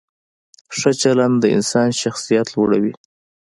ښه چلند د انسان شخصیت لوړوي.